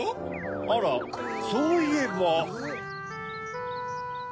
あらそういえば。